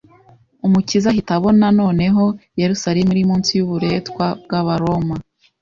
Umukiza ahita abona noneho Yerusalemu iri munsi y'uburetwa bw'abaroma